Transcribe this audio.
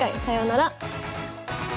さようなら。